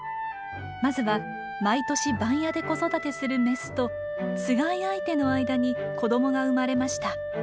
まずは毎年番屋で子育てするメスとつがい相手の間に子どもが生まれました。